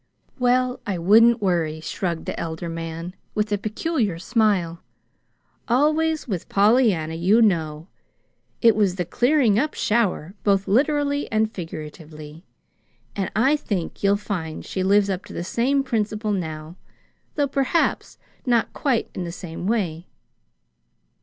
"Well, I wouldn't worry," shrugged the elder man, with a peculiar smile. "Always, with Pollyanna, you know, it was the 'clearing up shower,' both literally and figuratively; and I think you'll find she lives up to the same principle now though perhaps not quite in the same way.